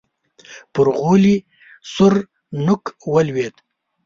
پر غولي سور نوک ولوېد.